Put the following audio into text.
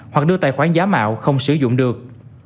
hoặc đưa tài khoản giá mạo không sử dụng được